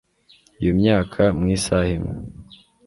iyo myaka mu isaha imwe